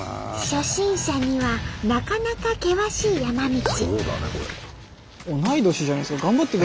初心者にはなかなか険しい山道。